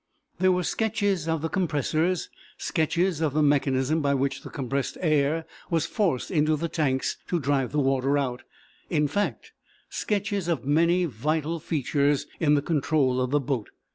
There were sketches of the compressors, sketches of the mechanism by which the compressed air was forced into the tanks to drive the water out in fact, sketches of many vital features in the control of the boat.